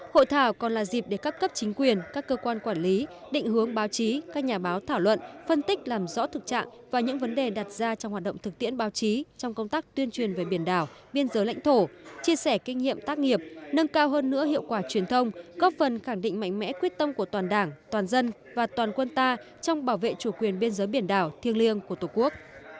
hội thảo còn là dịp để các cấp chính quyền các cơ quan quản lý định hướng báo chí các nhà báo thảo luận phân tích làm rõ thực trạng và những vấn đề đặt ra trong hoạt động thực tiễn báo chí trong công tác tuyên truyền về biển đảo biên giới lãnh thổ chia sẻ kinh nghiệm tác nghiệp nâng cao hơn nữa hiệu quả truyền thông góp phần khẳng định mạnh mẽ quyết tâm của toàn đảng toàn dân và toàn quân ta trong bảo vệ chủ quyền biên giới biển đảo thiêng liêng của tổ quốc